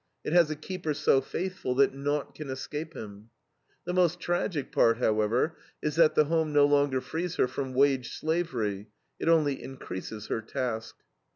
It has a keeper so faithful that naught can escape him. The most tragic part, however, is that the home no longer frees her from wage slavery; it only increases her task.